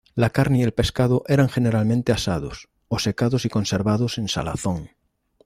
La carne y el pescado eran generalmente asados, o secados y conservados en salazón.